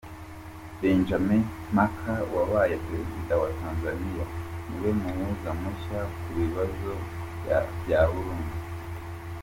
Benjamin Mkapa wabaye Perezida wa Tanzania niwe muhuza mushya ku bibazo by’Abarundi